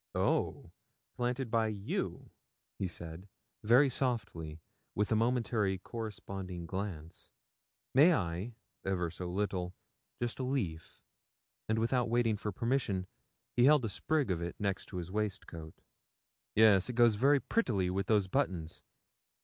'Oh! planted by you?' he said, very softly, with a momentary corresponding glance. 'May I ever so little just a leaf?' And without waiting for permission, he held a sprig of it next his waistcoat. 'Yes, it goes very prettily with those buttons.